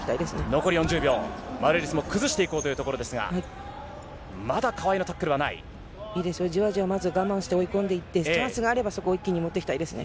残り４０秒、マルーリスも崩していこうというところですが、いいですよ、じわじわ、まず我慢して追い込んでいって、チャンスがあれば、そこを一気にもっていきたいですね。